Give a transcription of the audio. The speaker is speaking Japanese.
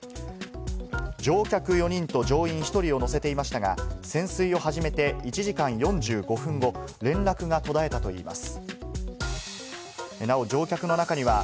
乗客４人と乗員１人を乗せていましたが、潜水を始めて１時間４５分後、連絡が途絶えたといいます。